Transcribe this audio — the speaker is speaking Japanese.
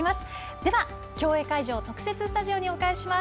では、競泳会場特設スタジオにお返しします。